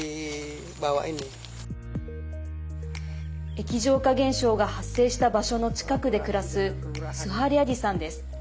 液状化現象が発生した場所の近くで暮らすスハリャディさんです。